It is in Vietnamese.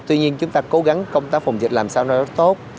tuy nhiên chúng ta cố gắng công tác phòng dịch làm sao nó rất tốt